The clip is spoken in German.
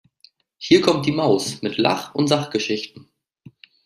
Hier kommt die Maus mit Lach- und Sachgeschichten!